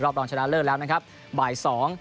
รอบรองชนะเริ่มแล้วนะครับบ่าย๒